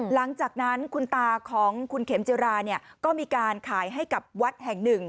หลังจากนั้นคุณตาของคุณเข็มจิราเนี่ยก็มีการขายให้กับวัดแห่งหนึ่ง